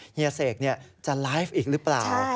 เฮีเสกจะไลฟ์อีกหรือเปล่า